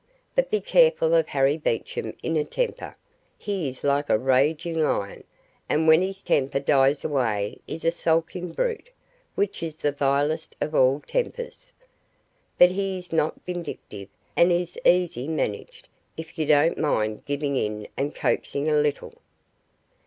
But be careful of Harry Beecham in a temper. He is like a raging lion, and when his temper dies away is a sulking brute, which is the vilest of all tempers. But he is not vindictive, and is easy managed, if you don't mind giving in and coaxing a little."